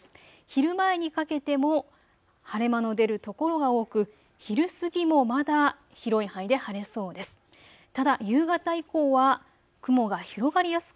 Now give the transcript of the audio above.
昼前にかけても晴れ間の出る所が多く、昼過ぎもまだ広い範囲で晴れそうです。